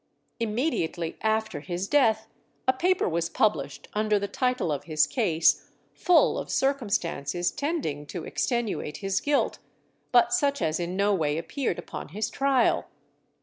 Immediately after his death a paper was published under the title of his case, full of circumstances tending to extenuate his guilt but such as in no way appeared upon his trial.